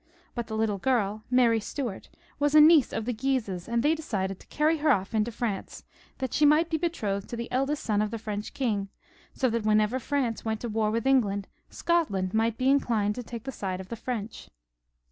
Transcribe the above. But the little girl, Mary Stuart, was a niece of the Guises, and they settled to carry her off into France, that she might be betrothed to the eldest son of the French king, so that whenever France went to war with England, Scotland might be inclined to take the side of the French.